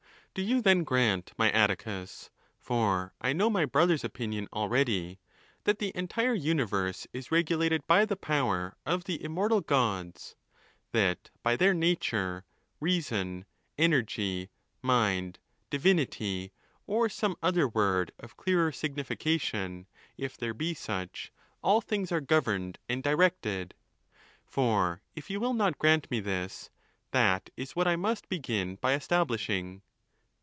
—Do you then grant, my Atticus, (for I know my brother's opinion already,) that the entire universe is regu~ lated by the power of the immortal Gods, that by their nature; reason, energy, mind, divinity, or some other word of clearer. signification, if there be such, all things are governed and directed'? for if you will not grant me this, that is what L ot begin by establishing.